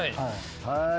はい。